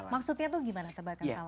maksudnya tuh gimana tebarkan salam